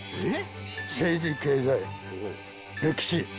政治、経済、歴史。